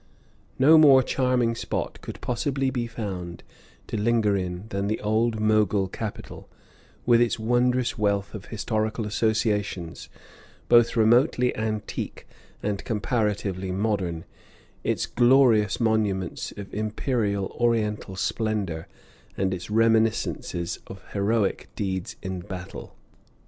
No more charming spot could possibly be found to linger in than the old Mogul capital, with its wondrous wealth of historical associations, both remotely antique and comparatively modern, its glorious monuments of imperial Oriental splendor and its reminiscences of heroic deeds in battle.